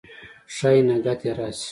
ښايي نګهت یې راشي